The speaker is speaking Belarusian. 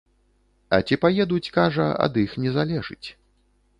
А ці паедуць, кажа, ад іх не залежыць.